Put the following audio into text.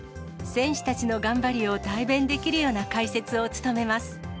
選手たちの頑張りを代弁できるような解説を努めます。